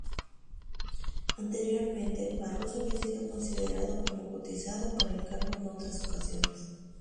Anteriormente, Barroso había sido considerado como cotizado para el cargo en otras ocasiones.